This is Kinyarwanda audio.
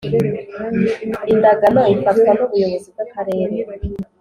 Indagano ifatwa n ubuyobozi bw akarere